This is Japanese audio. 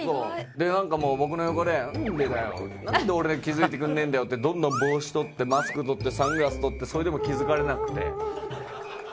でなんかもう僕の横で「なんでだよなんで俺だけ気づいてくれねえんだよ」ってどんどん帽子取ってマスク取ってサングラス取ってそれでも気づかれなくて。